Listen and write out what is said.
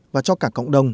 và cho cả cộng đồng